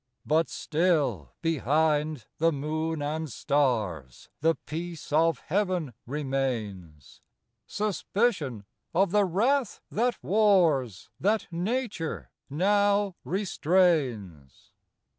But still behind the moon and stars, The peace of heaven remains Suspicion of the wrath that wars, That Nature now restrains.